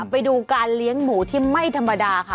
ไปดูการเลี้ยงหมูที่ไม่ธรรมดาค่ะ